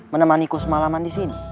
menemani ku semalaman disini